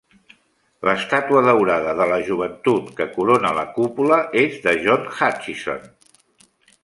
L'estàtua daurada de la joventut que corona la cúpula és de John Hutchison.